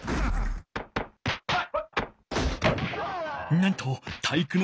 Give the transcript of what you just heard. なんと体育ノ